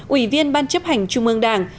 ủy viên ban chấp hành trung mương đảng